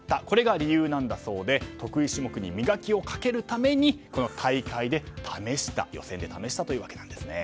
これが理由なんだそうで得意種目に磨きをかけるために大会で予選で試したというわけです。